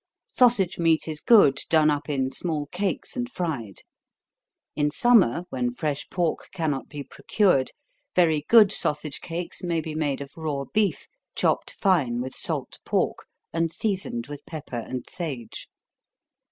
Sausage meat is good, done up in small cakes and fried. In summer, when fresh pork cannot be procured, very good sausage cakes may be made of raw beef, chopped fine with salt pork, and seasoned with pepper and sage.